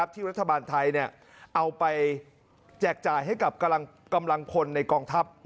ที่รัฐบาลไทยเอาไปแจกจ่ายให้กับกำลังคนในกองทัพ